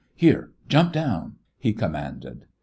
"Here, jump down!" he commanded.